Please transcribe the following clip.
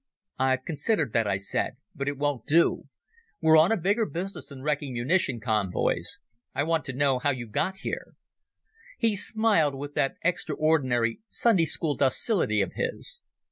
"I've considered that," I said, "but it won't do. We're on a bigger business than wrecking munition convoys. I want to know how you got here." He smiled with that extraordinary Sunday school docility of his.